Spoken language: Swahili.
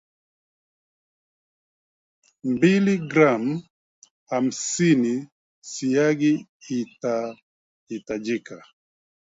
mbili gram hamsini siagi itahitajika